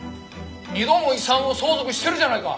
二度も遺産を相続してるじゃないか。